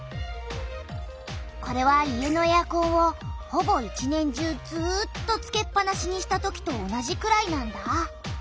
これは家のエアコンをほぼ一年中ずっとつけっぱなしにしたときと同じくらいなんだ。